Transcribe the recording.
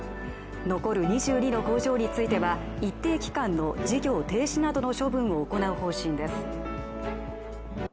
残る２２の工場については一定期間の事業停止などの処分を行う方針です